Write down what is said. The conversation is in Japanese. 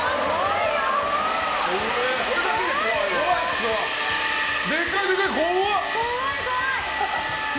これだけで怖いですよ。